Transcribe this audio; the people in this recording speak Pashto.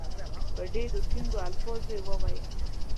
په ډېرو ټینګو الفاظو وویل.